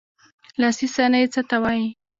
لاسي صنایع څه ته وايي.